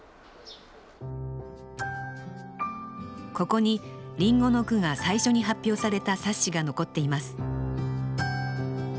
ここに林檎の句が最初に発表された冊子が残っています